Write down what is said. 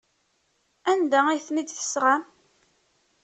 Anda ay ten-id-tesɣam?